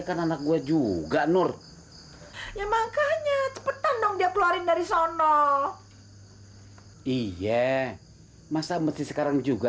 kan anak gue juga nur ya makanya cepetan dong dia keluarin dari sana iya masa mesti sekarang juga